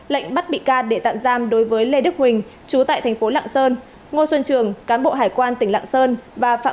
lệnh bắt bị can để tạm giam đối với lê đức huỳnh chú tại thành phố lạng sơn ngô xuân trường cán bộ hải quan tỉnh lạng sơn và phạm